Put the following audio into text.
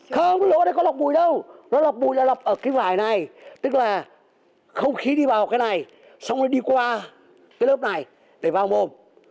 không lỗ này có lọc bụi đâu nó lọc bụi là lọc ở cái vải này tức là không khí đi vào cái này xong rồi đi qua cái lớp này để vào mồm